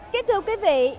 kính thưa quý vị